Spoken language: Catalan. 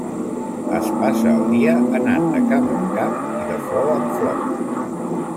Es passa el dia anant de camp en camp i de flor en flor.